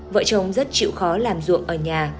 vợ chồng rất chịu khó làm ruộng ở nhà